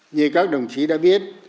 như các đồng chí đã biết